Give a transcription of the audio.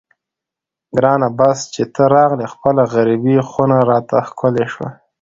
ګرانه بس چې ته راغلې خپله غریبه خونه راته ښکلې شوه.